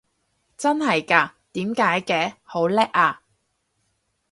真係嘎？點解嘅？好叻啊！